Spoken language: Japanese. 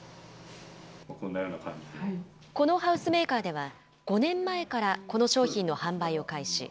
このハウスメーカーでは、５年前から、この商品の販売を開始。